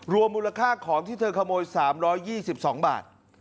มูลค่าของที่เธอขโมย๓๒๒บาท